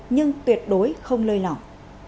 nhưng tuyệt đối không lơi lỏng